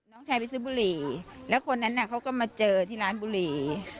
น้องชายไปซื้อบุหรี่แล้วคนนั้นเขาก็มาเจอที่ร้านบุหรี่